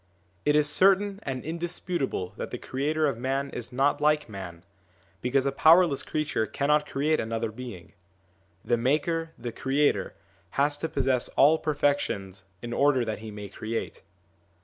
It is certain and indisputable that the creator of man is not like man, because a powerless creature cannot create another being. The maker, the creator, has to possess all perfections in order that he may create.